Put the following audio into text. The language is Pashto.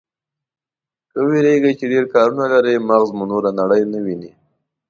که وېرېږئ چې ډېر کارونه لرئ، مغز مو نوره نړۍ نه ويني.